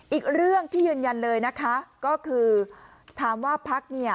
อีกเรื่องที่ยืนยันเลยนะคะก็คือถามว่าพักเนี่ย